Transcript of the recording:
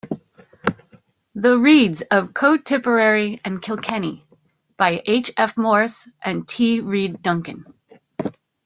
"The Reades of Co Tipperary and Kilkenny" By H F Morris and T Reade-Duncan.